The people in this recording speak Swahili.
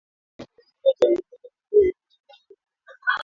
Kiwango cha maambukizi ya ugonjwa wa ndui katika kundi la mifugo